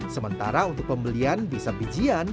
sementara untuk pembelian bisa bijian